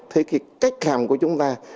thế thì cách làm của chúng ta